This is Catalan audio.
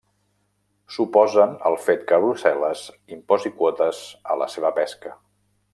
S'oposen al fet que Brussel·les imposi quotes a la seva pesca.